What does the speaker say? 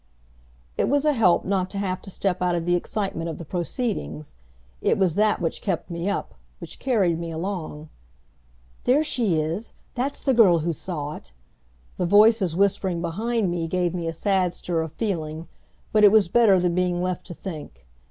It was a help not to have to step out of the excitement of the proceedings. It was that which kept me up, which carried me along. "There she is; that's the girl who saw it!" The voices whispering behind me gave me a sad stir of feeling, but it was better than being left to think.